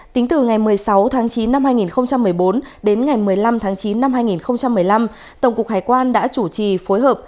tính từ ngày một mươi sáu tháng chín năm hai nghìn một mươi bốn đến ngày một mươi năm tháng chín năm hai nghìn một mươi năm tổng cục hải quan đã chủ trì phối hợp